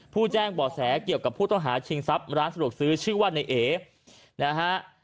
แจ้งบ่อแสเกี่ยวกับผู้ต้องหาชิงทรัพย์ร้านสะดวกซื้อชื่อว่าในเอนะฮะ